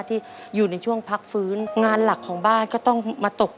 อเรนนี่ต้องมีวัคซีนตัวหนึ่งเพื่อที่จะช่วยดูแลพวกม้ามและก็ระบบในร่างกาย